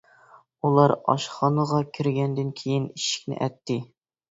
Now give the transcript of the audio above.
ئۇلار ئاشخانىغا كىرگەندىن كېيىن ئىشىكنى ئەتتى.